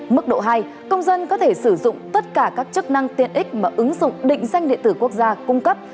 mức độ hai công dân có thể sử dụng tất cả các chức năng tiện ích mà ứng dụng định danh điện tử quốc gia cung cấp